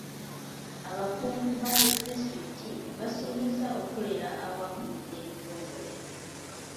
Abakungu ba disitulikiti baasuubiza okukolera awamu n'ebitongole.